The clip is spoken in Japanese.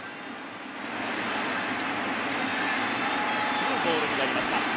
ツーボールになりました。